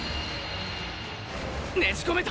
ねじこめた！！